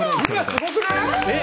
すごくない？